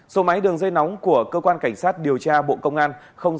số máy đường dây nóng của cơ quan cảnh sát điều tra bộ công an